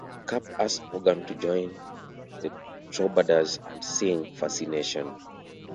Kapp asked Morgan to join The Troubadors and sing "Fascination".